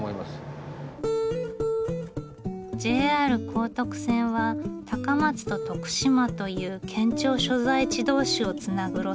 ＪＲ高徳線は高松と徳島という県庁所在地同士をつなぐ路線。